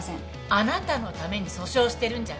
あなたのために訴訟してるんじゃない。